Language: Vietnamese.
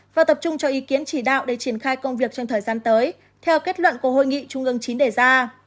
và tập trung cho ý kiến chỉ đạo để triển khai công việc trong thời gian tới theo kết luận của hội nghị trung ương chín đề ra